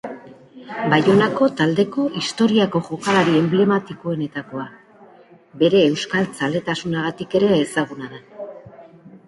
Baionako taldeko historiako jokalari enblematikoenetakoa, bere euskaltzaletasunagatik ere ezaguna da.